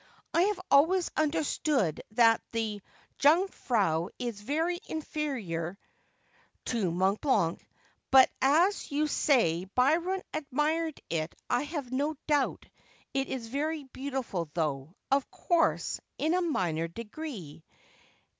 I have always understood that the Jungfrau is very inferior to Mont Blanc ; but as you say Byron admired it I have no doubt it is very beautiful, though, of course, in a minor degree.